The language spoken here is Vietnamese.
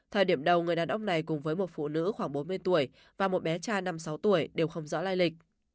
thời điểm đầu người đàn ông này cùng với một phụ nữ khoảng bốn mươi tuổi và một bé trai năm sáu tuổi đều không rõ lai lịch